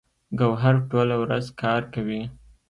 ګوهر ټوله ورځ کار کوي